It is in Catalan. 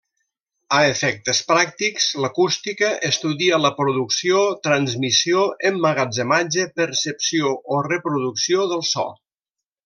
A efectes pràctics l'acústica estudia la producció, transmissió, emmagatzematge, percepció o reproducció del so.